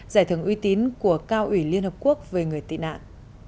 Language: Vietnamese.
giải thưởng uy tín của cao ủy liên hợp quốc về người tị nạn